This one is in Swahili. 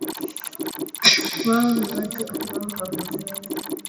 Wao ni watu amboa hawajali